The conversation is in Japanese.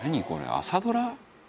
朝ドラ？